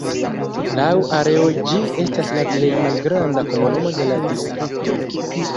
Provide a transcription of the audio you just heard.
Laŭ areo ĝi estas la plej malgranda komunumo de la distrikto.